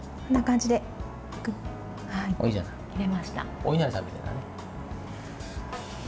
こんな感じで切れました。